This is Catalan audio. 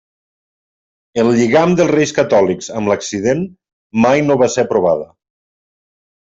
El lligam dels reis catòlics amb l'accident mai no va ser provada.